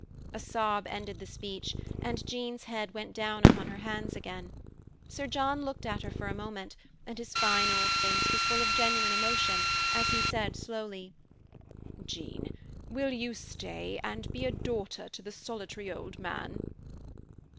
A sob ended the speech, and Jean's head went down upon her hands again. Sir John looked at her a moment, and his fine old face was full of genuine emotion, as he said slowly, "Jean, will you stay and be a daughter to the solitary old man?"